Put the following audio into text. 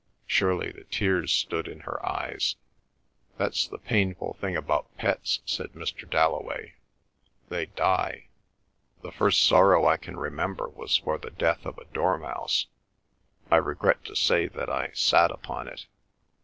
Surely the tears stood in her eyes? "That's the painful thing about pets," said Mr. Dalloway; "they die. The first sorrow I can remember was for the death of a dormouse. I regret to say that I sat upon it.